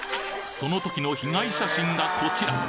その時の被害写真がこちら！